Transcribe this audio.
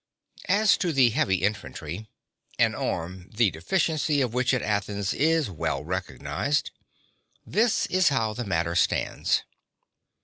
II As to the heavy infantry, an arm the deficiency of which at Athens is well recognised, this is how the matter stands.